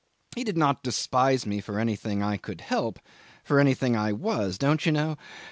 He did not despise me for anything I could help, for anything I was don't you know?